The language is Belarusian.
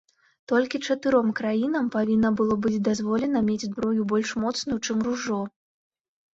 Толькі чатыром краінам павінна было быць дазволена мець зброю больш моцную, чым ружжо.